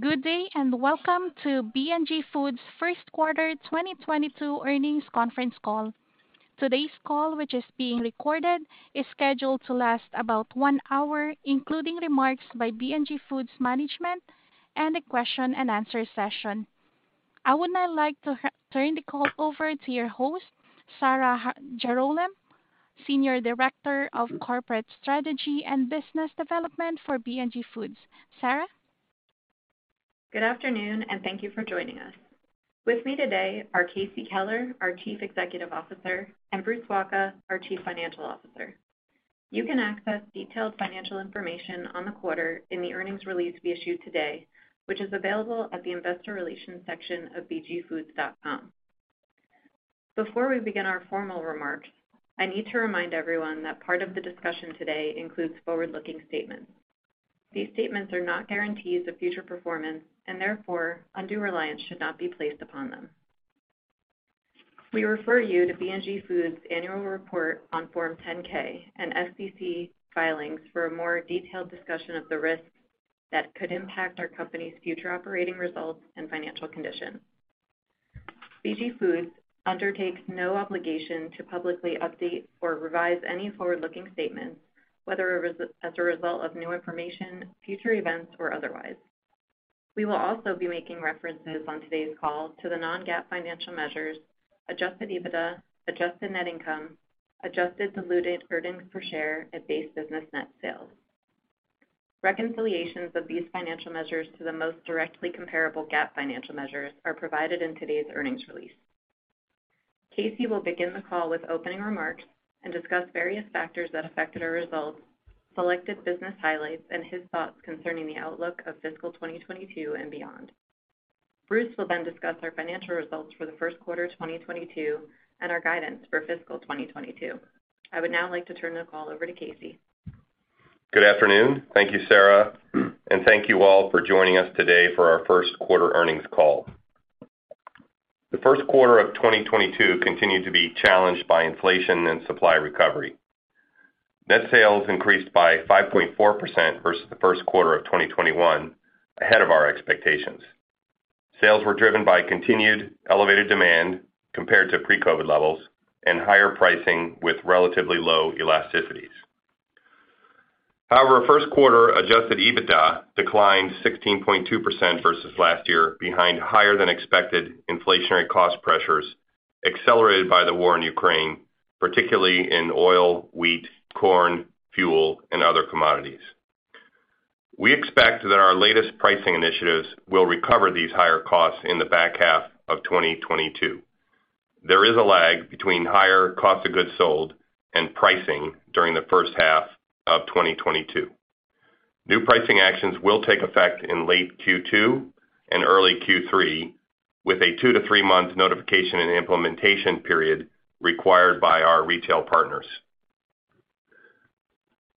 Good day, and welcome to B&G Foods first quarter 2022 earnings conference call. Today's call, which is being recorded, is scheduled to last about one hour, including remarks by B&G Foods management and a question and answer session. I would now like to turn the call over to your host, Sarah Jarolem, Senior Director of Corporate Strategy and Business Development for B&G Foods. Sarah. Good afternoon, and thank you for joining us. With me today are Casey Keller, our Chief Executive Officer, and Bruce Wacha, our Chief Financial Officer. You can access detailed financial information on the quarter in the earnings release we issued today, which is available at the investor relations section of bgfoods.com. Before we begin our formal remarks, I need to remind everyone that part of the discussion today includes forward-looking statements. These statements are not guarantees of future performance, and therefore, undue reliance should not be placed upon them. We refer you to B&G Foods annual report on Form 10-K and SEC filings for a more detailed discussion of the risks that could impact our company's future operating results and financial condition. B&G Foods undertakes no obligation to publicly update or revise any forward-looking statements, whether as a result of new information, future events, or otherwise. We will also be making references on today's call to the non-GAAP financial measures, adjusted EBITDA, adjusted net income, adjusted diluted earnings per share and base business net sales. Reconciliations of these financial measures to the most directly comparable GAAP financial measures are provided in today's earnings release. Casey will begin the call with opening remarks and discuss various factors that affected our results, selected business highlights, and his thoughts concerning the outlook of fiscal 2022 and beyond. Bruce will then discuss our financial results for the first quarter 2022 and our guidance for fiscal 2022. I would now like to turn the call over to Casey. Good afternoon. Thank you, Sarah, and thank you all for joining us today for our first quarter earnings call. The first quarter of 2022 continued to be challenged by inflation and supply recovery. Net sales increased by 5.4% versus the first quarter of 2021, ahead of our expectations. Sales were driven by continued elevated demand compared to pre-COVID levels and higher pricing with relatively low elasticities. However, first quarter adjusted EBITDA declined 16.2% versus last year behind higher than expected inflationary cost pressures accelerated by the war in Ukraine, particularly in oil, wheat, corn, fuel, and other commodities. We expect that our latest pricing initiatives will recover these higher costs in the back half of 2022. There is a lag between higher cost of goods sold and pricing during the first half of 2022. New pricing actions will take effect in late Q2 and early Q3 with a two to three-month notification and implementation period required by our retail partners.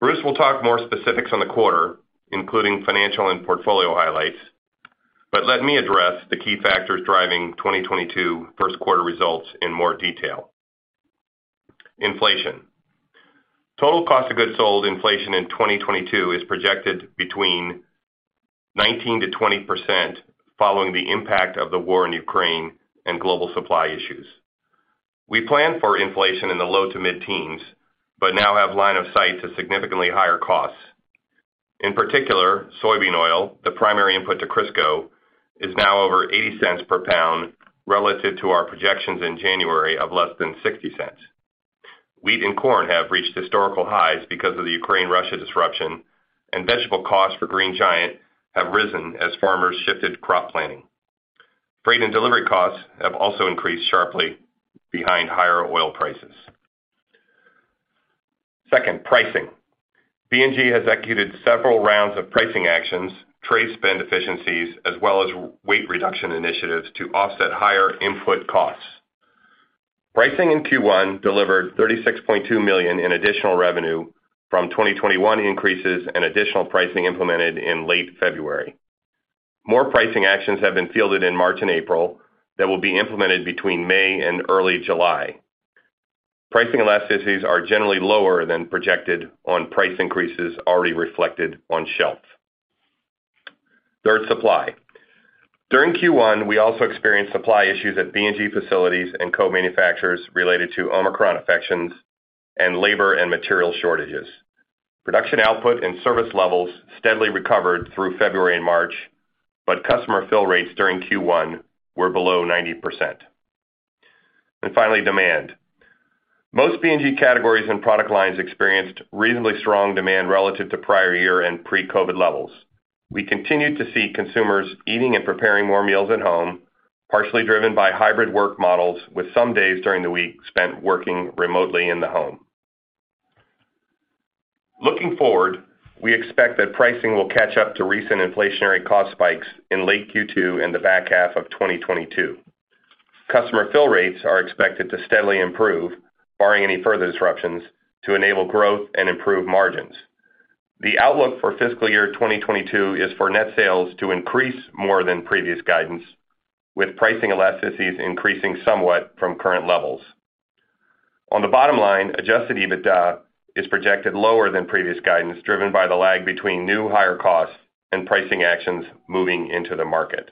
Bruce will talk more specifics on the quarter, including financial and portfolio highlights, but let me address the key factors driving 2022 first quarter results in more detail. Inflation. Total cost of goods sold inflation in 2022 is projected between 19%-20% following the impact of the war in Ukraine and global supply issues. We planned for inflation in the low to mid-teens, but now have line of sight to significantly higher costs. In particular, soybean oil, the primary input to Crisco, is now over $0.80 per pound relative to our projections in January of less than $0.60. Wheat and corn have reached historical highs because of the Ukraine-Russia disruption, and vegetable costs for Green Giant have risen as farmers shifted crop planting. Freight and delivery costs have also increased sharply behind higher oil prices. Second, pricing. B&G has executed several rounds of pricing actions, trade spend efficiencies, as well as weight reduction initiatives to offset higher input costs. Pricing in Q1 delivered $36.2 million in additional revenue from 2021 increases and additional pricing implemented in late February. More pricing actions have been fielded in March and April that will be implemented between May and early July. Pricing elasticities are generally lower than projected on price increases already reflected on shelves. Third, supply. During Q1, we also experienced supply issues at B&G facilities and co-manufacturers related to Omicron infections and labor and material shortages. Production output and service levels steadily recovered through February and March, but customer fill rates during Q1 were below 90%. Finally, demand. Most B&G categories and product lines experienced reasonably strong demand relative to prior year and pre-COVID levels. We continued to see consumers eating and preparing more meals at home, partially driven by hybrid work models, with some days during the week spent working remotely in the home. Looking forward, we expect that pricing will catch up to recent inflationary cost spikes in late Q2 in the back half of 2022. Customer fill rates are expected to steadily improve, barring any further disruptions, to enable growth and improve margins. The outlook for fiscal year 2022 is for net sales to increase more than previous guidance, with pricing elasticities increasing somewhat from current levels. On the bottom line, adjusted EBITDA is projected lower than previous guidance, driven by the lag between new higher costs and pricing actions moving into the market.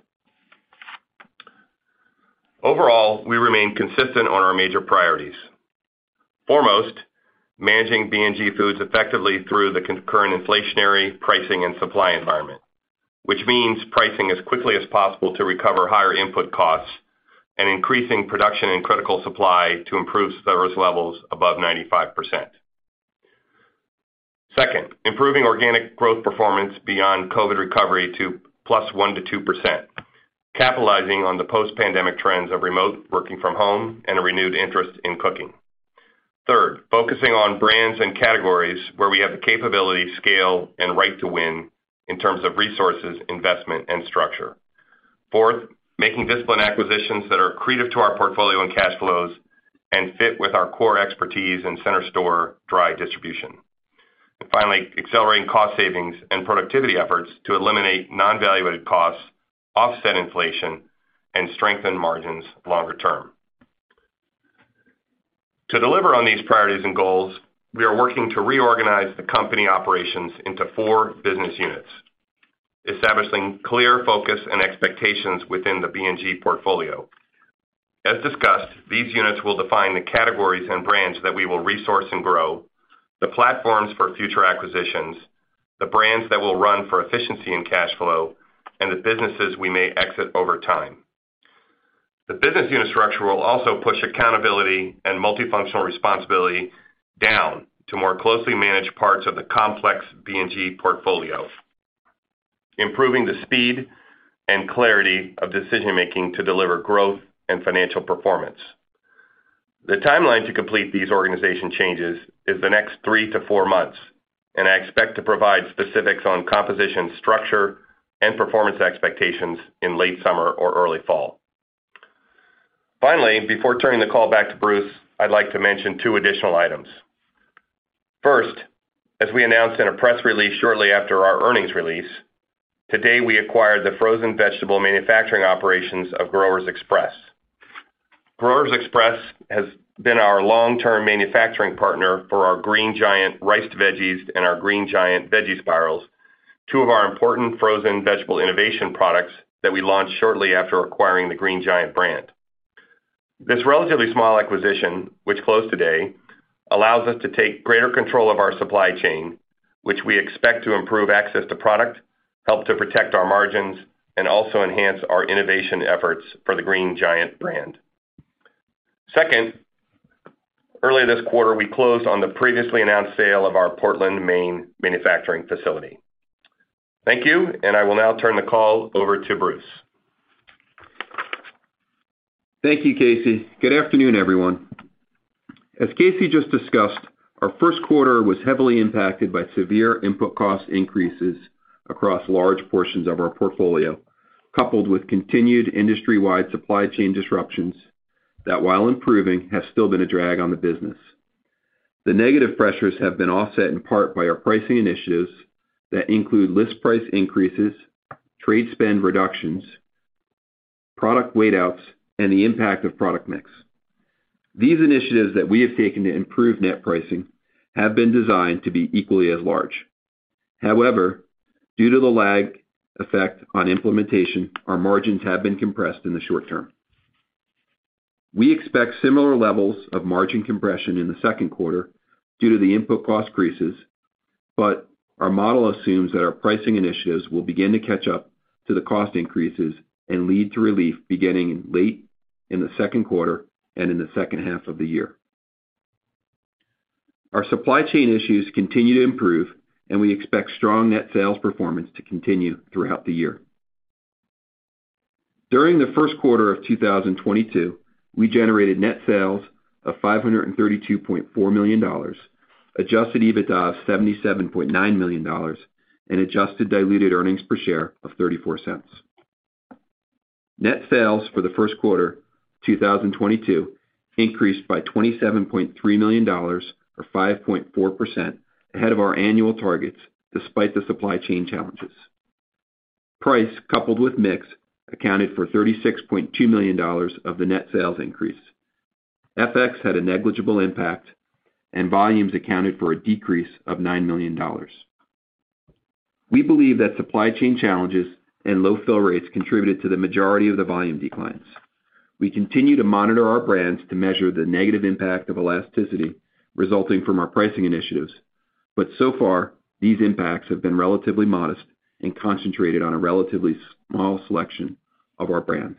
Overall, we remain consistent on our major priorities. Foremost, managing B&G Foods effectively through the concurrent inflationary pricing and supply environment, which means pricing as quickly as possible to recover higher input costs and increasing production and critical supply to improve service levels above 95%. Second, improving organic growth performance beyond COVID recovery to +1%-2%, capitalizing on the post-pandemic trends of remote working from home and a renewed interest in cooking. Third, focusing on brands and categories where we have the capability, scale, and right to win in terms of resources, investment, and structure. Fourth, making disciplined acquisitions that are accretive to our portfolio and cash flows and fit with our core expertise in center store dry distribution. Finally, accelerating cost savings and productivity efforts to eliminate non-value-added costs, offset inflation, and strengthen margins longer term. To deliver on these priorities and goals, we are working to reorganize the company operations into four business units, establishing clear focus and expectations within the B&G portfolio. As discussed, these units will define the categories and brands that we will resource and grow, the platforms for future acquisitions, the brands that we'll run for efficiency and cash flow, and the businesses we may exit over time. The business unit structure will also push accountability and multifunctional responsibility down to more closely manage parts of the complex B&G portfolio, improving the speed and clarity of decision-making to deliver growth and financial performance. The timeline to complete these organization changes is the next three to four months, and I expect to provide specifics on composition structure and performance expectations in late summer or early fall. Finally, before turning the call back to Bruce, I'd like to mention two additional items. First, as we announced in a press release shortly after our earnings release, today we acquired the frozen vegetable manufacturing operations of Growers Express. Growers Express has been our long-term manufacturing partner for our Green Giant riced veggies and our Green Giant veggie spirals, two of our important frozen vegetable innovation products that we launched shortly after acquiring the Green Giant brand. This relatively small acquisition, which closed today, allows us to take greater control of our supply chain, which we expect to improve access to product, help to protect our margins, and also enhance our innovation efforts for the Green Giant brand. Second, early this quarter, we closed on the previously announced sale of our Portland, Maine manufacturing facility. Thank you, and I will now turn the call over to Bruce. Thank you, Casey. Good afternoon, everyone. As Casey just discussed, our first quarter was heavily impacted by severe input cost increases across large portions of our portfolio, coupled with continued industry-wide supply chain disruptions that, while improving, has still been a drag on the business. The negative pressures have been offset in part by our pricing initiatives that include list price increases, trade spend reductions, product weigh-outs, and the impact of product mix. These initiatives that we have taken to improve net pricing have been designed to be equally as large. However, due to the lag effect on implementation, our margins have been compressed in the short term. We expect similar levels of margin compression in the second quarter due to the input cost increases, but our model assumes that our pricing initiatives will begin to catch up to the cost increases and lead to relief beginning late in the second quarter and in the second half of the year. Our supply chain issues continue to improve, and we expect strong net sales performance to continue throughout the year. During the first quarter of 2022, we generated net sales of $532.4 million, adjusted EBITDA of $77.9 million, and adjusted diluted earnings per share of $0.34. Net sales for the first quarter 2022 increased by $27.3 million or 5.4% ahead of our annual targets, despite the supply chain challenges. Price coupled with mix accounted for $36.2 million of the net sales increase. FX had a negligible impact and volumes accounted for a decrease of $9 million. We believe that supply chain challenges and low fill rates contributed to the majority of the volume declines. We continue to monitor our brands to measure the negative impact of elasticity resulting from our pricing initiatives, but so far, these impacts have been relatively modest and concentrated on a relatively small selection of our brands.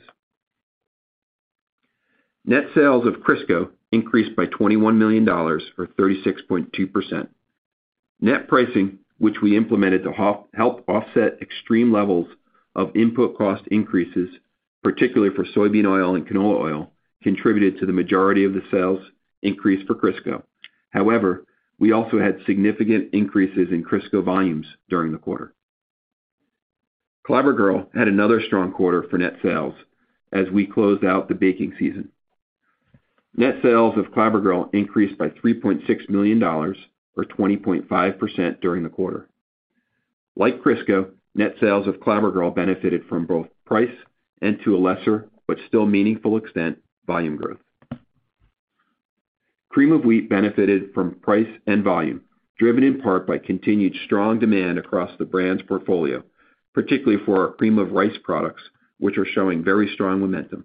Net sales of Crisco increased by $21 million or 36.2%. Net pricing, which we implemented to help offset extreme levels of input cost increases, particularly for soybean oil and canola oil, contributed to the majority of the sales increase for Crisco. However, we also had significant increases in Crisco volumes during the quarter. Clabber Girl had another strong quarter for net sales as we closed out the baking season. Net sales of Clabber Girl increased by $3.6 million or 20.5% during the quarter. Like Crisco, net sales of Clabber Girl benefited from both price and to a lesser, but still meaningful extent, volume growth. Cream of Wheat benefited from price and volume, driven in part by continued strong demand across the brands portfolio, particularly for our Cream of Rice products, which are showing very strong momentum.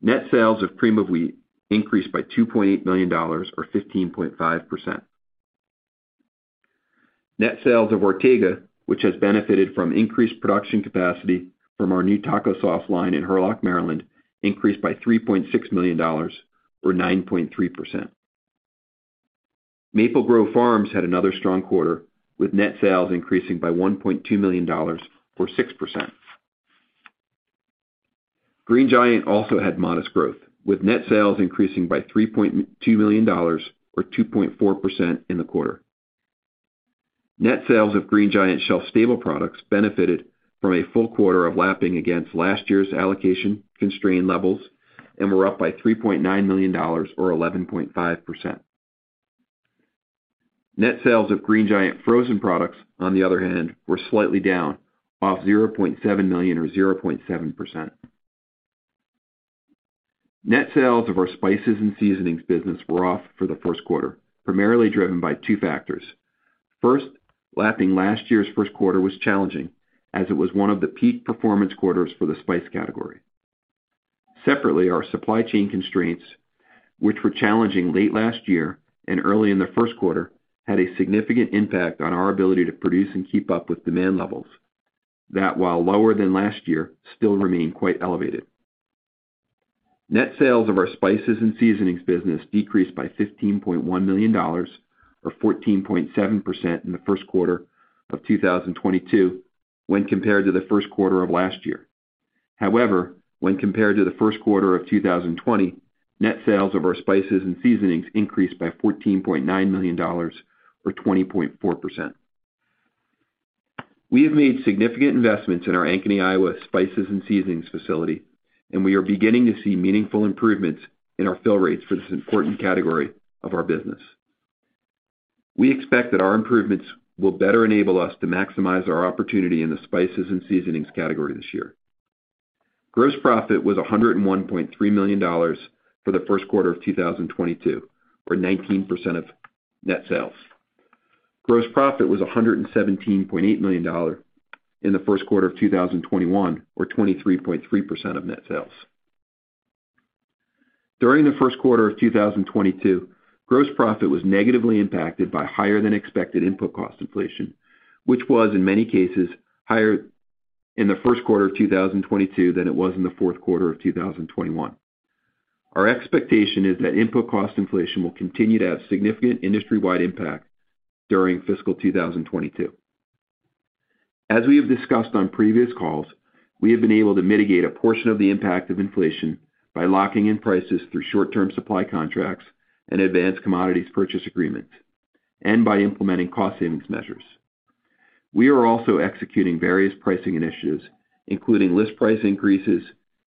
Net sales of Cream of Wheat increased by $2.8 million or 15.5%. Net sales of Ortega, which has benefited from increased production capacity from our new taco sauce line in Hurlock, Maryland, increased by $3.6 million or 9.3%. Maple Grove Farms had another strong quarter, with net sales increasing by $1.2 million or 6%. Green Giant also had modest growth, with net sales increasing by $3.2 million or 2.4% in the quarter. Net sales of Green Giant shelf stable products benefited from a full quarter of lapping against last year's allocation constrained levels and were up by $3.9 million or 11.5%. Net sales of Green Giant frozen products, on the other hand, were slightly down by $0.7 million or 0.7%. Net sales of our spices and seasonings business were off for the first quarter, primarily driven by two factors. First, lapping last year's first quarter was challenging as it was one of the peak performance quarters for the spice category. Separately, our supply chain constraints, which were challenging late last year and early in the first quarter, had a significant impact on our ability to produce and keep up with demand levels that, while lower than last year, still remain quite elevated. Net sales of our spices and seasonings business decreased by $15.1 million or 14.7% in the first quarter of 2022 when compared to the first quarter of last year. However, when compared to the first quarter of 2020, net sales of our spices and seasonings increased by $14.9 million or 20.4%. We have made significant investments in our Ankeny, Iowa spices and seasonings facility, and we are beginning to see meaningful improvements in our fill rates for this important category of our business. We expect that our improvements will better enable us to maximize our opportunity in the spices and seasonings category this year. Gross profit was $101.3 million for the first quarter of 2022, or 19% of net sales. Gross profit was $117.8 million in the first quarter of 2021 or 23.3% of net sales. During the first quarter of 2022, gross profit was negatively impacted by higher than expected input cost inflation, which was in many cases higher in the first quarter of 2022 than it was in the fourth quarter of 2021. Our expectation is that input cost inflation will continue to have significant industry-wide impact during fiscal 2022. As we have discussed on previous calls, we have been able to mitigate a portion of the impact of inflation by locking in prices through short-term supply contracts and advanced commodities purchase agreements, and by implementing cost savings measures. We are also executing various pricing initiatives, including list price increases,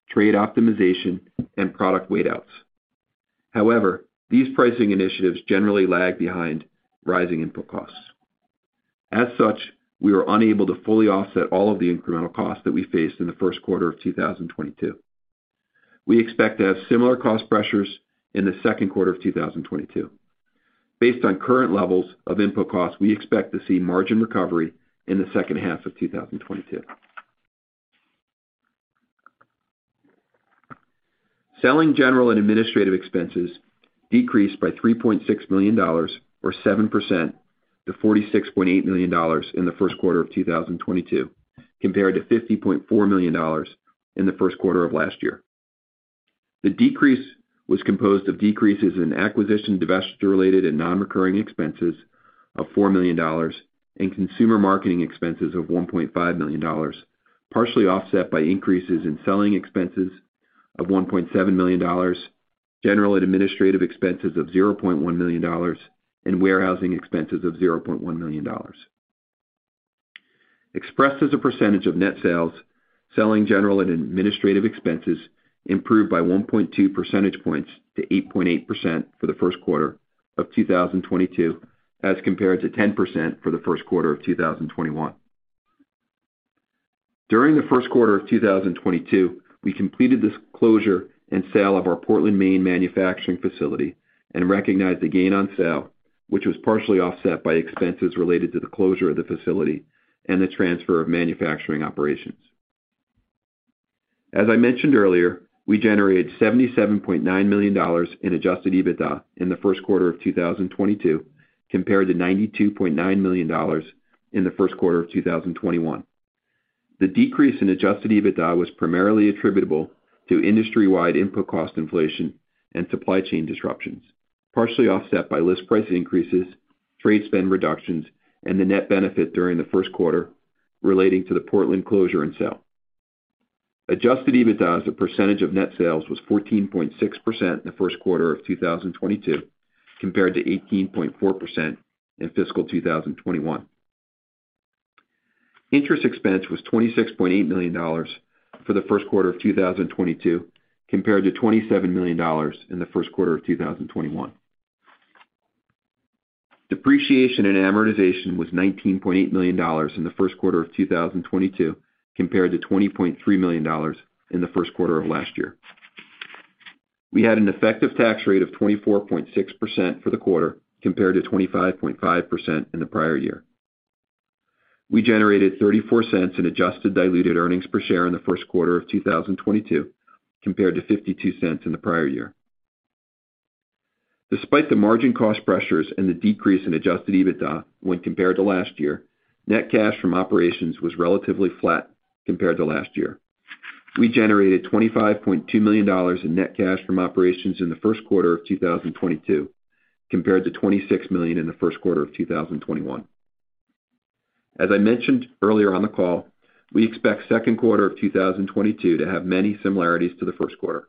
trade optimization, and product weight outs. However, these pricing initiatives generally lag behind rising input costs. As such, we are unable to fully offset all of the incremental costs that we faced in the first quarter of 2022. We expect to have similar cost pressures in the second quarter of 2022. Based on current levels of input costs, we expect to see margin recovery in the second half of 2022. Selling, general and administrative expenses decreased by $3.6 million, or 7% to $46.8 million in the first quarter of 2022 compared to $50.4 million in the first quarter of last year. The decrease was composed of decreases in acquisition, divestiture related and non-recurring expenses of $4 million and consumer marketing expenses of $1.5 million, partially offset by increases in selling expenses of $1.7 million, general and administrative expenses of $0.1 million, and warehousing expenses of $0.1 million. Expressed as a percentage of net sales, selling, general and administrative expenses improved by 1.2 percentage points to 8.8% for the first quarter of 2022 as compared to 10% for the first quarter of 2021. During the first quarter of 2022, we completed this closure and sale of our Portland, Maine manufacturing facility and recognized the gain on sale, which was partially offset by expenses related to the closure of the facility and the transfer of manufacturing operations. As I mentioned earlier, we generated $77.9 million in adjusted EBITDA in the first quarter of 2022, compared to $92.9 million in the first quarter of 2021. The decrease in adjusted EBITDA was primarily attributable to industry-wide input cost inflation and supply chain disruptions, partially offset by list price increases, trade spend reductions, and the net benefit during the first quarter relating to the Portland closure and sale. Adjusted EBITDA as a percentage of net sales was 14.6% in the first quarter of 2022, compared to 18.4% in fiscal 2021. Interest expense was $26.8 million for the first quarter of 2022, compared to $27 million in the first quarter of 2021. Depreciation and amortization was $19.8 million in the first quarter of 2022, compared to $20.3 million in the first quarter of last year. We had an effective tax rate of 24.6% for the quarter, compared to 25.5% in the prior year. We generated $0.34 in adjusted diluted earnings per share in the first quarter of 2022, compared to $0.52 in the prior year. Despite the margin cost pressures and the decrease in adjusted EBITDA when compared to last year, net cash from operations was relatively flat compared to last year. We generated $25.2 million in net cash from operations in the first quarter of 2022, compared to $26 million in the first quarter of 2021. As I mentioned earlier on the call, we expect second quarter of 2022 to have many similarities to the first quarter.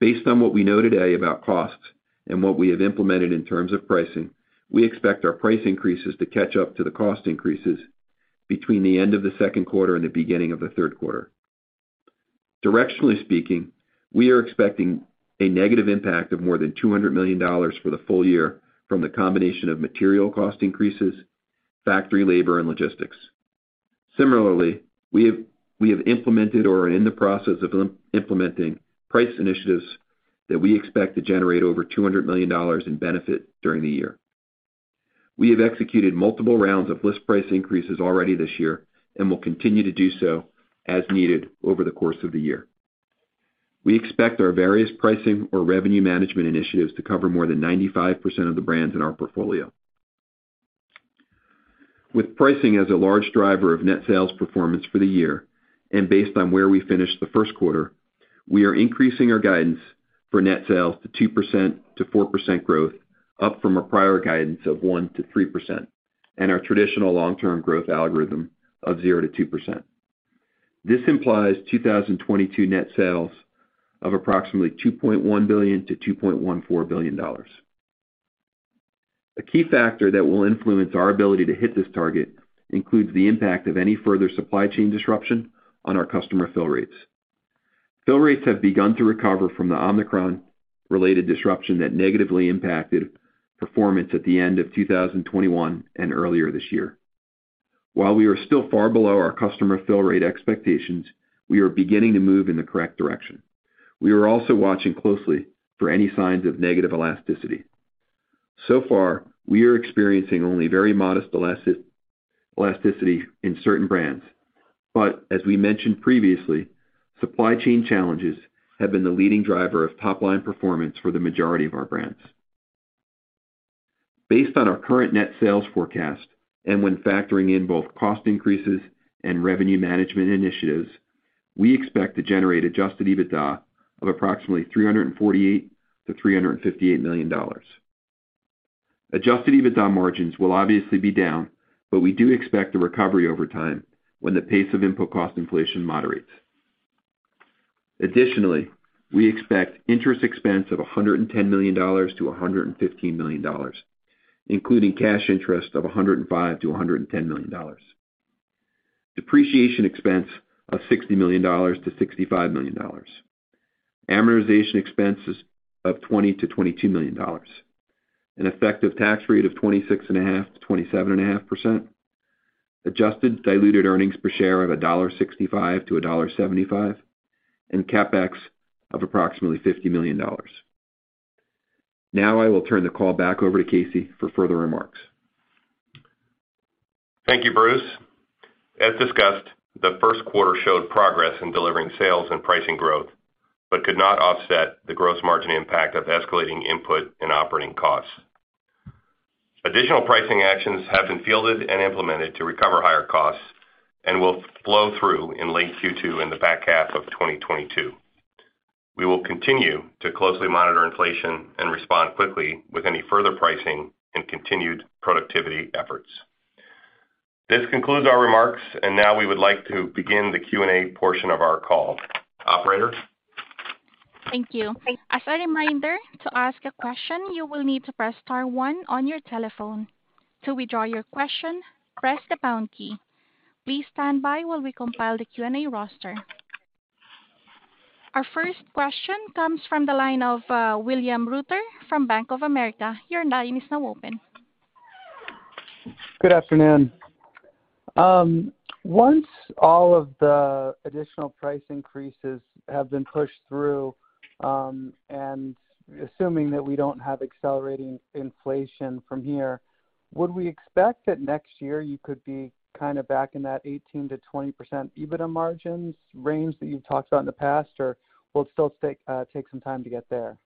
Based on what we know today about costs and what we have implemented in terms of pricing, we expect our price increases to catch up to the cost increases between the end of the second quarter and the beginning of the third quarter. Directionally speaking, we are expecting a negative impact of more than $200 million for the full year from the combination of material cost increases, factory labor, and logistics. Similarly, we have implemented or are in the process of implementing price initiatives that we expect to generate over $200 million in benefit during the year. We have executed multiple rounds of list price increases already this year and will continue to do so as needed over the course of the year. We expect our various pricing or revenue management initiatives to cover more than 95% of the brands in our portfolio. With pricing as a large driver of net sales performance for the year, and based on where we finished the first quarter, we are increasing our guidance for net sales to 2%-4% growth, up from a prior guidance of 1%-3% and our traditional long-term growth algorithm of 0%-2%. This implies 2022 net sales of approximately $2.1 billion-$2.14 billion. A key factor that will influence our ability to hit this target includes the impact of any further supply chain disruption on our customer fill rates. Fill rates have begun to recover from the Omicron-related disruption that negatively impacted performance at the end of 2021 and earlier this year. While we are still far below our customer fill rate expectations, we are beginning to move in the correct direction. We are also watching closely for any signs of negative elasticity. So far, we are experiencing only very modest elasticity in certain brands. As we mentioned previously, supply chain challenges have been the leading driver of top-line performance for the majority of our brands. Based on our current net sales forecast and when factoring in both cost increases and revenue management initiatives, we expect to generate adjusted EBITDA of approximately $348 million-$358 million. Adjusted EBITDA margins will obviously be down, but we do expect a recovery over time when the pace of input cost inflation moderates. Additionally, we expect interest expense of $110 million-$115 million, including cash interest of $105 million-$110 million. Depreciation expense of $60 million-$65 million. Amortization expenses of $20 million-$22 million. An effective tax rate of 26.5%-27.5%. Adjusted diluted earnings per share of $1.65-$1.75, and CapEx of approximately $50 million. Now I will turn the call back over to Casey for further remarks. Thank you, Bruce. As discussed, the first quarter showed progress in delivering sales and pricing growth, but could not offset the gross margin impact of escalating input and operating costs. Additional pricing actions have been fielded and implemented to recover higher costs and will flow through in late Q2 in the back half of 2022. We will continue to closely monitor inflation and respond quickly with any further pricing and continued productivity efforts. This concludes our remarks, and now we would like to begin the Q&A portion of our call. Operator? Thank you. As a reminder, to ask a question, you will need to press star one on your telephone. To withdraw your question, press the pound key. Please stand by while we compile the Q&A roster. Our first question comes from the line of William Reuter from Bank of America. Your line is now open. Good afternoon. Once all of the additional price increases have been pushed through, and assuming that we don't have accelerating inflation from here, would we expect that next year you could be kind of back in that 18%-20% EBITDA margins range that you've talked about in the past, or will it still take some time to get there?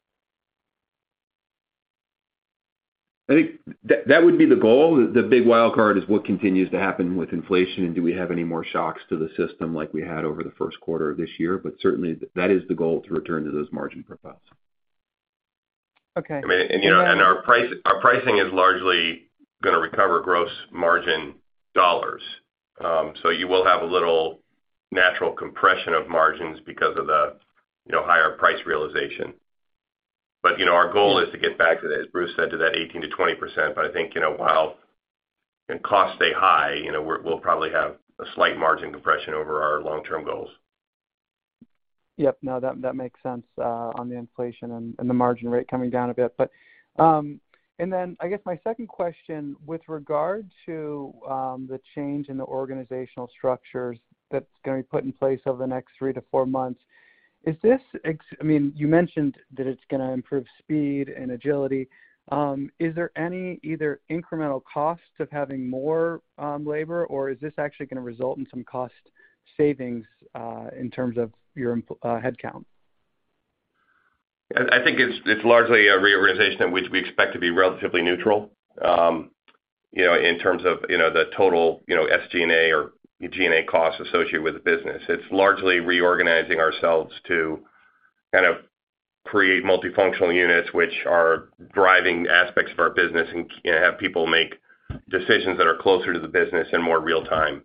I think that would be the goal. The big wild card is what continues to happen with inflation and do we have any more shocks to the system like we had over the first quarter of this year. Certainly that is the goal, to return to those margin profiles. Okay. I mean, you know, our pricing is largely gonna recover gross margin dollars. You will have a little natural compression of margins because of the, you know, higher price realization. You know, our goal is to get back to that, as Bruce said, to that 18%-20%. I think, you know, while, you know, costs stay high, you know, we'll probably have a slight margin compression over our long-term goals. Yep, no, that makes sense on the inflation and the margin rate coming down a bit. I guess my second question, with regard to the change in the organizational structures that's gonna be put in place over the next three to four months. I mean, you mentioned that it's gonna improve speed and agility. Is there any either incremental cost of having more labor, or is this actually gonna result in some cost savings in terms of your headcount? I think it's largely a reorganization in which we expect to be relatively neutral, you know, in terms of, you know, the total, you know, SG&A or G&A costs associated with the business. It's largely reorganizing ourselves to kind of create multifunctional units which are driving aspects of our business and you know, have people make decisions that are closer to the business and more real time.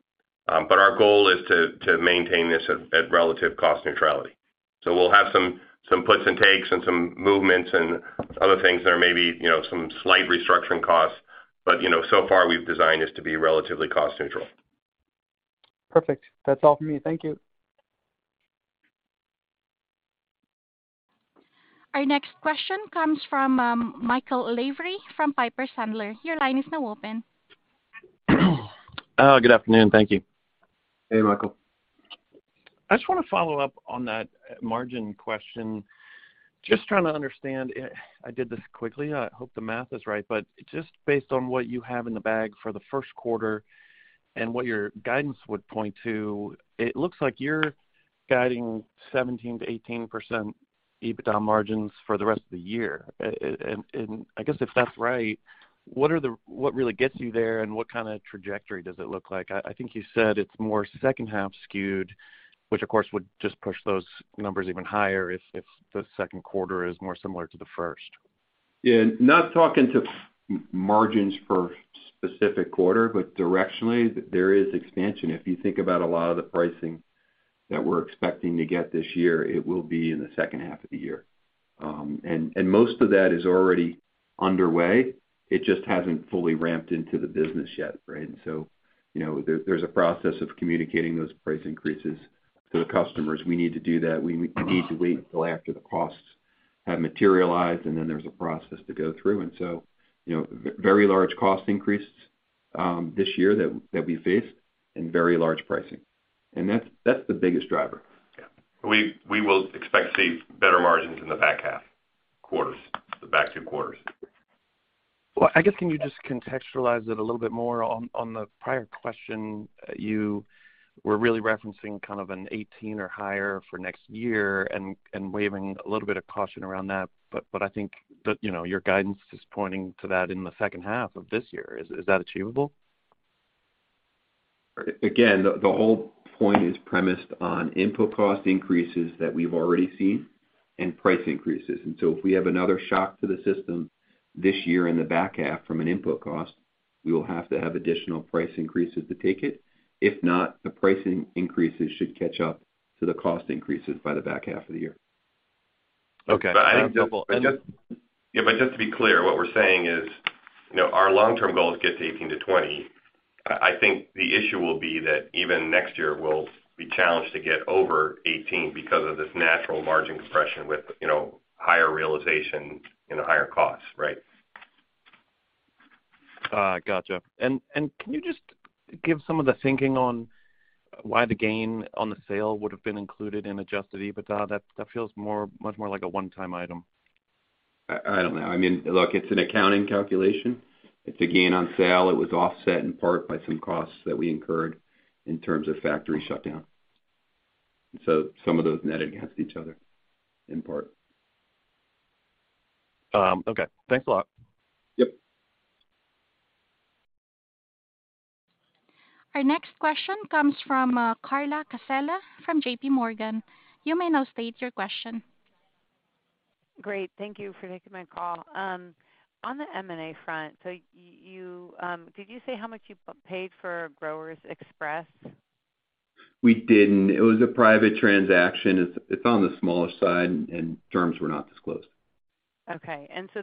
Our goal is to maintain this at relative cost neutrality. We'll have some puts and takes and some movements and other things that are maybe, you know, some slight restructuring costs. You know, so far, we've designed this to be relatively cost neutral. Perfect. That's all for me. Thank you. Our next question comes from, Michael Lavery from Piper Sandler. Your line is now open. Good afternoon. Thank you. Hey, Michael. I just wanna follow up on that margin question. Just trying to understand. I did this quickly. I hope the math is right. Just based on what you have in the bag for the first quarter and what your guidance would point to, it looks like you're guiding 17%-18% EBITDA margins for the rest of the year. I guess if that's right, what really gets you there, and what kind of trajectory does it look like? I think you said it's more second half skewed, which of course would just push those numbers even higher if the second quarter is more similar to the first. Yeah. Not talking about margins for specific quarter, but directionally, there is expansion. If you think about a lot of the pricing that we're expecting to get this year, it will be in the second half of the year. Most of that is already underway. It just hasn't fully ramped into the business yet, right? You know, there's a process of communicating those price increases to the customers. We need to do that. We need to wait until after the costs have materialized, and then there's a process to go through. You know, very large cost increases this year that we face and very large pricing. That's the biggest driver. Yeah. We will expect to see better margins in the back half quarters, the back two quarters. Well, I guess, can you just contextualize it a little bit more on the prior question? You were really referencing kind of an 18% or higher for next year and waiving a little bit of caution around that. I think, the, you know, your guidance is pointing to that in the second half of this year. Is that achievable? Again, the whole point is premised on input cost increases that we've already seen and price increases. If we have another shock to the system this year in the back half from an input cost, we will have to have additional price increases to take it. If not, the pricing increases should catch up to the cost increases by the back half of the year. Okay. I think just to be clear, what we're saying is, you know, our long-term goal is to get to 18%-20%. I think the issue will be that even next year we'll be challenged to get over 18% because of this natural margin compression with, you know, higher realization and higher costs, right? Gotcha. Can you just give some of the thinking on why the gain on the sale would have been included in adjusted EBITDA? That feels much more like a one-time item. I don't know. I mean, look, it's an accounting calculation. It's a gain on sale. It was offset in part by some costs that we incurred in terms of factory shutdown. Some of those net against each other in part. Okay. Thanks a lot. Yep. Our next question comes from Carla Casella from JPMorgan. You may now state your question. Great. Thank you for taking my call. Did you say how much you paid for Growers Express? We didn't. It was a private transaction. It's on the smaller side, and terms were not disclosed.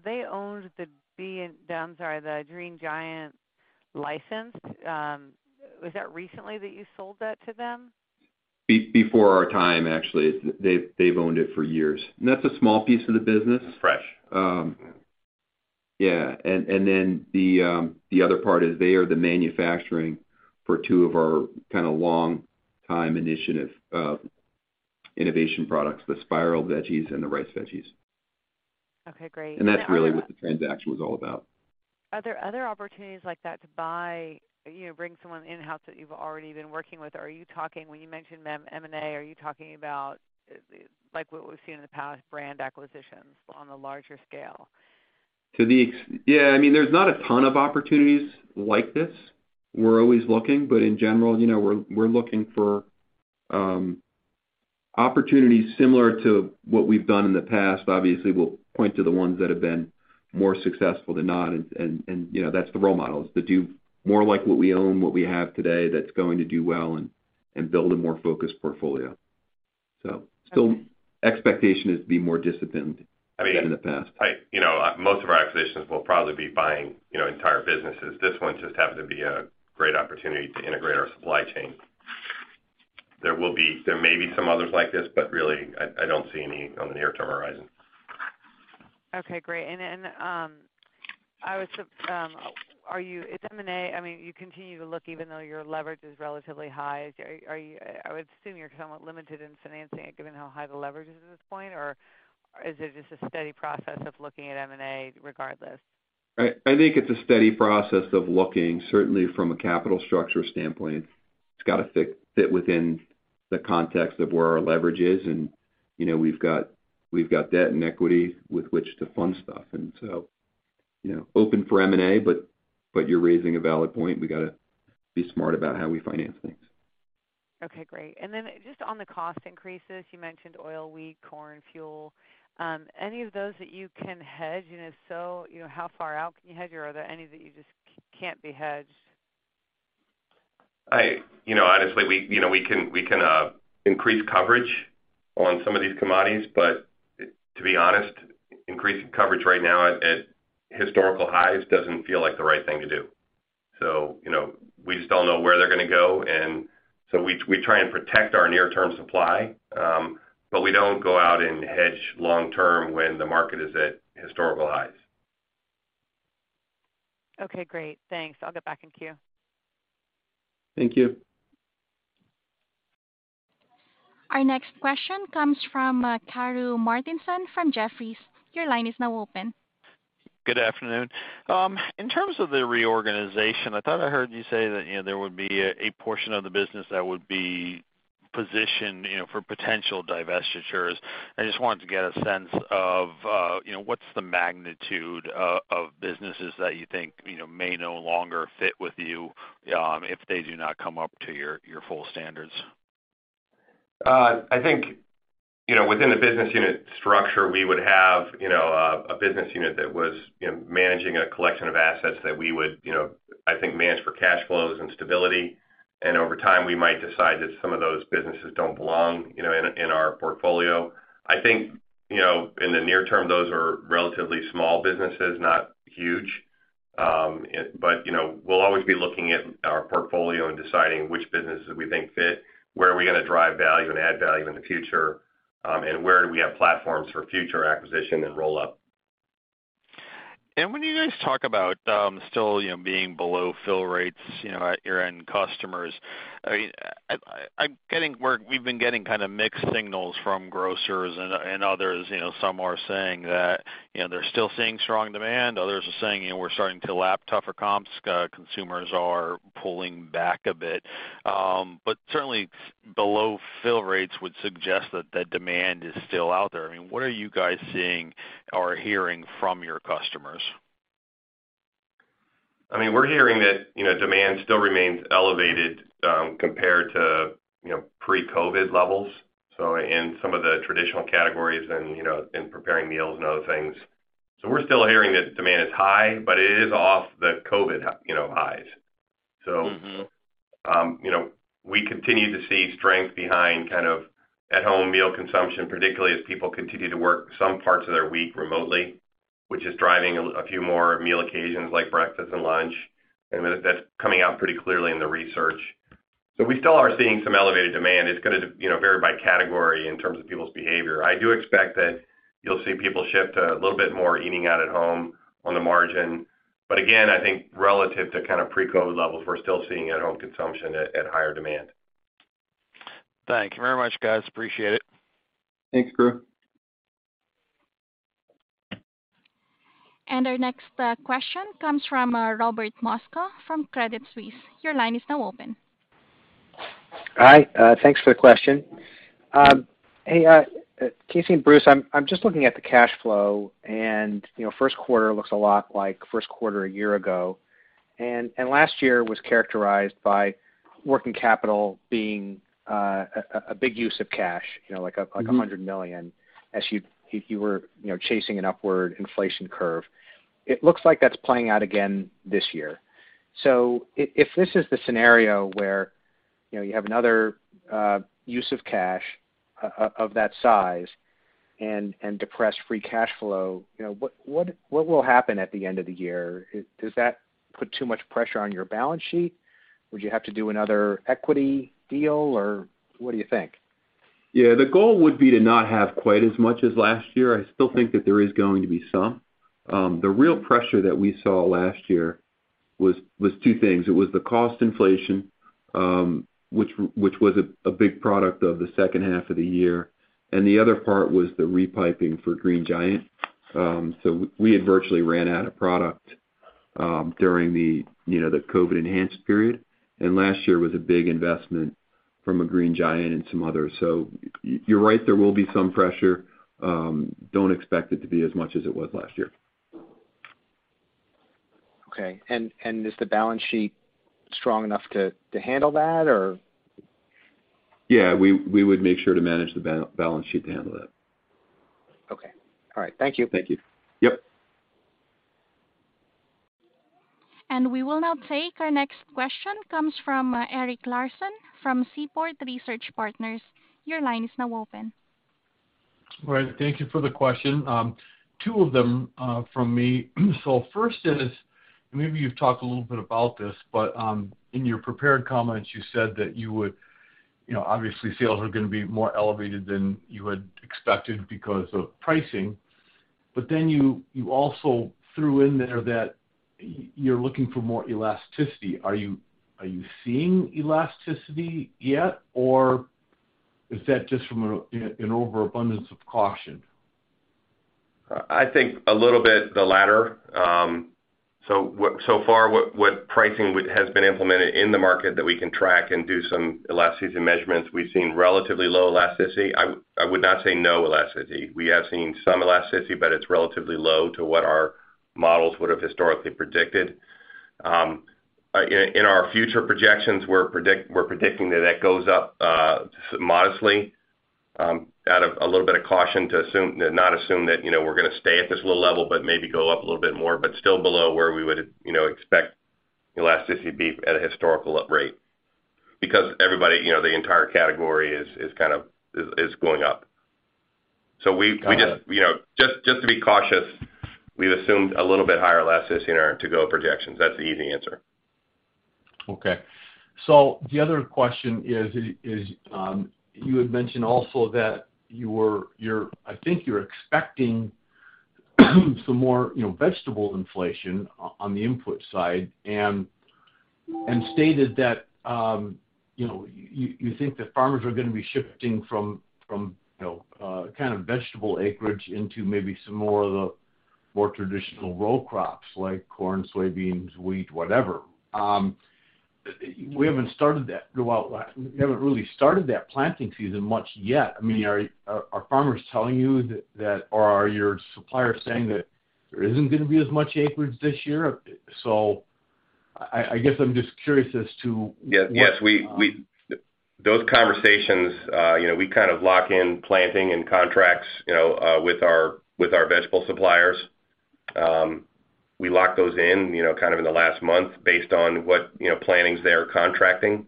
They owned the Green Giant license. Was that recently that you sold that to them? Before our time, actually. They've owned it for years. That's a small piece of the business. Fresh. Yeah. Then the other part is they are the manufacturer for two of our kinda long time initiative, innovation products, the spiral veggies and the rice veggies. Okay, great. That's really what the transaction was all about. Are there other opportunities like that to buy, you know, bring someone in-house that you've already been working with? Are you talking, when you mention the M&A, are you talking about, like, what we've seen in the past, brand acquisitions on a larger scale? Yeah. I mean, there's not a ton of opportunities like this. We're always looking, but in general, you know, we're looking for opportunities similar to what we've done in the past. Obviously, we'll point to the ones that have been more successful than not. You know, that's the role models to do more like what we own, what we have today that's going to do well and build a more focused portfolio. Expectation is to be more disciplined than in the past. You know, most of our acquisitions will probably be buying, you know, entire businesses. This one just happened to be a great opportunity to integrate our supply chain. There may be some others like this, but really I don't see any on the near-term horizon. Okay, great. I mean, you continue to look even though your leverage is relatively high. I would assume you're somewhat limited in financing it given how high the leverage is at this point, or is it just a steady process of looking at M&A regardless? I think it's a steady process of looking. Certainly from a capital structure standpoint, it's got to fit within the context of where our leverage is. You know, we've got debt and equity with which to fund stuff. You know, open for M&A, but you're raising a valid point. We gotta be smart about how we finance things. Okay, great. Just on the cost increases, you mentioned oil, wheat, corn, fuel. Any of those that you can hedge, you know, so, you know, how far out can you hedge, or are there any that you just can't be hedged? You know, honestly, we can increase coverage on some of these commodities. To be honest, increasing coverage right now at historical highs doesn't feel like the right thing to do. You know, we just don't know where they're gonna go, and so we try and protect our near-term supply, but we don't go out and hedge long term when the market is at historical highs. Okay, great. Thanks. I'll get back in queue. Thank you. Our next question comes from Karru Martinson from Jefferies. Your line is now open. Good afternoon. In terms of the reorganization, I thought I heard you say that, you know, there would be a portion of the business that would be positioned, you know, for potential divestitures. I just wanted to get a sense of, you know, what's the magnitude of businesses that you think, you know, may no longer fit with you, if they do not come up to your full standards? I think, you know, within the business unit structure, we would have, you know, a business unit that was, you know, managing a collection of assets that we would, you know, I think manage for cash flows and stability. Over time, we might decide that some of those businesses don't belong, you know, in our portfolio. I think, you know, in the near term, those are relatively small businesses, not huge. But, you know, we'll always be looking at our portfolio and deciding which businesses we think fit, where are we gonna drive value and add value in the future, and where do we have platforms for future acquisition and roll-up. When you guys talk about still, you know, being below fill rates, you know, at your end customers, we've been getting kinda mixed signals from grocers and others. You know, some are saying that, you know, they're still seeing strong demand. Others are saying, you know, we're starting to lap tougher comps. Consumers are pulling back a bit. But certainly below fill rates would suggest that the demand is still out there. I mean, what are you guys seeing or hearing from your customers? I mean, we're hearing that, you know, demand still remains elevated, compared to, you know, pre-COVID levels, so in some of the traditional categories and, you know, in preparing meals and other things. We're still hearing that demand is high, but it is off the COVID, you know, highs. Mm-hmm. You know, we continue to see strength behind kind of at-home meal consumption, particularly as people continue to work some parts of their week remotely, which is driving a few more meal occasions like breakfast and lunch. That's coming out pretty clearly in the research. We still are seeing some elevated demand. It's gonna, you know, vary by category in terms of people's behavior. I do expect that you'll see people shift to a little bit more eating out at home on the margin. Again, I think relative to kind of pre-COVID levels, we're still seeing at-home consumption at higher demand. Thank you very much, guys. Appreciate it. Thanks, Karru. Our next question comes from Robert Moskow from Credit Suisse. Your line is now open. Hi, thanks for the question. Hey, Casey and Bruce, I'm just looking at the cash flow and, you know, first quarter looks a lot like first quarter a year ago. Last year was characterized by working capital being a big use of cash, you know, like a $100 million as you were, you know, chasing an upward inflation curve. It looks like that's playing out again this year. If this is the scenario where, you know, you have another use of cash of that size and depressed free cash flow, you know, what will happen at the end of the year? Does that put too much pressure on your balance sheet? Would you have to do another equity deal, or what do you think? Yeah, the goal would be to not have quite as much as last year. I still think that there is going to be some. The real pressure that we saw last year was two things. It was the cost inflation, which was a big part of the second half of the year, and the other part was the repricing for Green Giant. We had virtually ran out of product during the, you know, the COVID enhanced period. Last year was a big investment in Green Giant and some others. You're right, there will be some pressure. Don't expect it to be as much as it was last year. Okay. Is the balance sheet strong enough to handle that or? Yeah. We would make sure to manage the balance sheet to handle that. Okay. All right. Thank you. Thank you. Yep. We will now take our next question from Eric Larson from Seaport Research Partners. Your line is now open. Right. Thank you for the question. Two of them from me. First is, and maybe you've talked a little bit about this, but in your prepared comments, you said that you would, you know, obviously, sales are gonna be more elevated than you had expected because of pricing. But then you also threw in there that you're looking for more elasticity. Are you seeing elasticity yet, or is that just from an overabundance of caution? I think a little bit the latter. So far, what pricing has been implemented in the market that we can track and do some elasticity measurements, we've seen relatively low elasticity. I would not say no elasticity. We have seen some elasticity, but it's relatively low to what our models would have historically predicted. In our future projections, we're predicting that that goes up modestly out of a little bit of caution to not assume that, you know, we're gonna stay at this low level, but maybe go up a little bit more, but still below where we would, you know, expect elasticity be at a historical rate. Because everybody, you know, the entire category is kind of going up. Got it. We just, you know, just to be cautious, we've assumed a little bit higher elasticity in our to-go projections. That's the easy answer. Okay. The other question is, you had mentioned also that you're, I think you're expecting some more, you know, vegetable inflation on the input side and stated that, you know, you think that farmers are gonna be shifting from you know, kind of vegetable acreage into maybe some more of the more traditional row crops like corn, soybeans, wheat, whatever. We haven't really started that planting season much yet. I mean, are farmers telling you that, or are your suppliers saying that there isn't gonna be as much acreage this year? I guess I'm just curious as to what Those conversations, you know, we kind of lock in planting and contracts, you know, with our vegetable suppliers. We lock those in, you know, kind of in the last month based on what, you know, plantings they're contracting.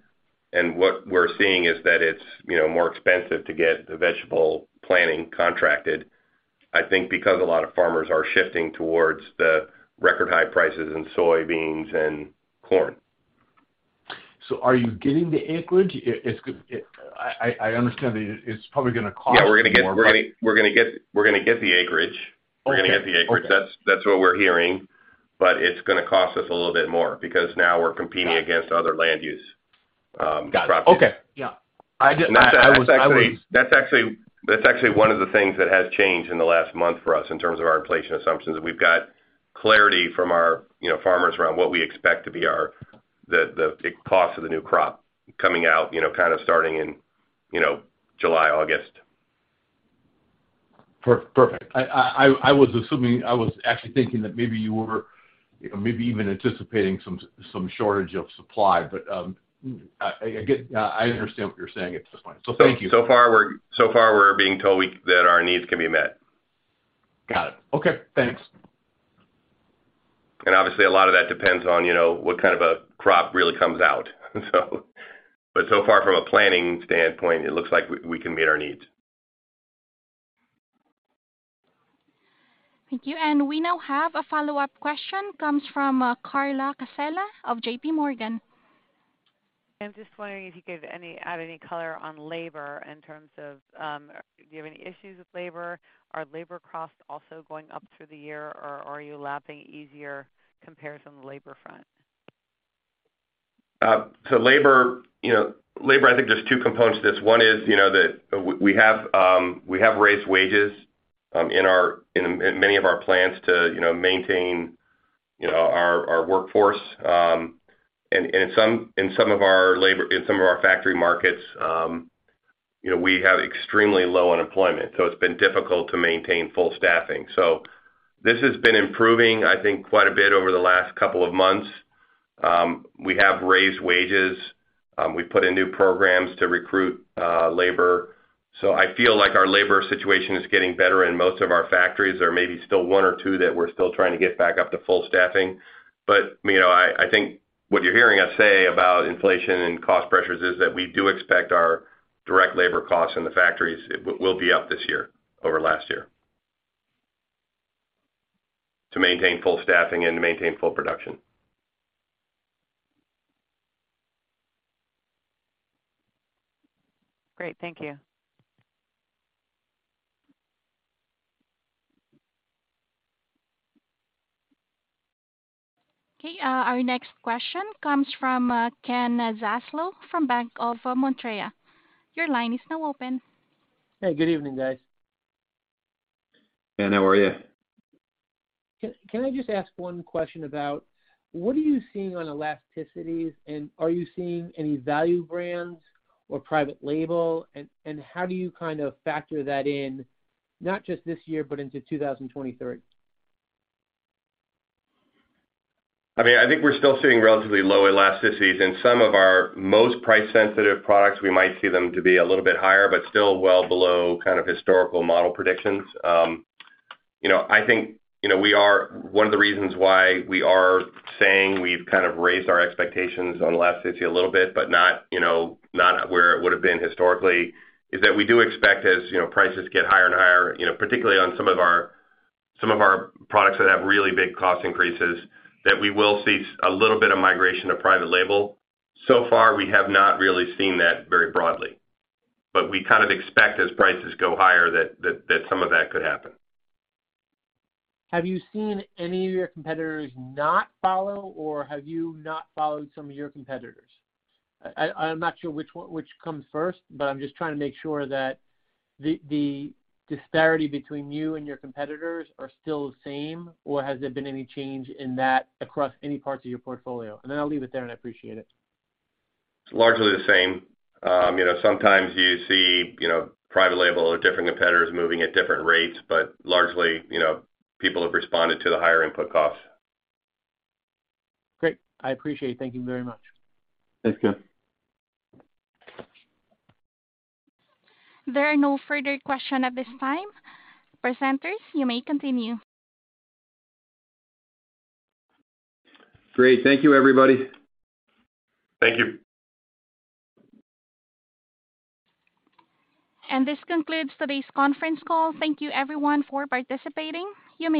What we're seeing is that it's, you know, more expensive to get the vegetable planting contracted, I think because a lot of farmers are shifting towards the record high prices in soybeans and corn. Are you getting the acreage? I understand that it's probably gonna cost you more, but. Yeah, we're gonna get the acreage. Okay. We're gonna get the acreage. That's what we're hearing. It's gonna cost us a little bit more because now we're competing against other land use properties. Got it. Okay. Yeah. I was. That's actually one of the things that has changed in the last month for us in terms of our inflation assumptions, that we've got clarity from our, you know, farmers around what we expect to be our, the cost of the new crop coming out, you know, kind of starting in, you know, July, August. Perfect. I was assuming, I was actually thinking that maybe you were, you know, maybe even anticipating some shortage of supply. I understand what you're saying at this point. Thank you. So far we're being told that our needs can be met. Got it. Okay, thanks. Obviously a lot of that depends on, you know, what kind of a crop really comes out. So far from a planning standpoint, it looks like we can meet our needs. Thank you. We now have a follow-up question, comes from, Carla Casella of JPMorgan. I'm just wondering if you could add any color on labor in terms of, do you have any issues with labor? Are labor costs also going up through the year, or are you lapping easier compared from the labor front? Labor, you know, I think there's two components to this. One is, you know, that we have raised wages in many of our plants to maintain our workforce. In some of our factory markets, you know, we have extremely low unemployment, so it's been difficult to maintain full staffing. This has been improving, I think, quite a bit over the last couple of months. We have raised wages. We've put in new programs to recruit labor. I feel like our labor situation is getting better in most of our factories. There may be still one or two that we're still trying to get back up to full staffing. You know, I think what you're hearing us say about inflation and cost pressures is that we do expect our direct labor costs in the factories will be up this year over last year to maintain full staffing and to maintain full production. Great. Thank you. Okay. Our next question comes from Ken Zaslow from Bank of Montreal. Your line is now open. Hey, good evening, guys. Ken, how are you? Can I just ask one question about what are you seeing on elasticities, and are you seeing any value brands or private label? How do you kind of factor that in, not just this year, but into 2023? I mean, I think we're still seeing relatively low elasticities. In some of our most price-sensitive products, we might see them to be a little bit higher, but still well below kind of historical model predictions. You know, I think, you know, one of the reasons why we are saying we've kind of raised our expectations on elasticity a little bit, but not, you know, not where it would have been historically, is that we do expect as you know, prices get higher and higher, you know, particularly on some of our products that have really big cost increases, that we will see a little bit of migration to private label. So far, we have not really seen that very broadly. We kind of expect as prices go higher that some of that could happen. Have you seen any of your competitors not follow, or have you not followed some of your competitors? I'm not sure which one, which comes first, but I'm just trying to make sure that the disparity between you and your competitors are still the same, or has there been any change in that across any parts of your portfolio? I'll leave it there, and I appreciate it. It's largely the same. You know, sometimes you see, you know, private label or different competitors moving at different rates, but largely, you know, people have responded to the higher input costs. Great. I appreciate it. Thank you very much. Thanks, Ken. There are no further questions at this time. Presenters, you may continue. Great. Thank you, everybody. Thank you. This concludes today's conference call. Thank you everyone for participating. You may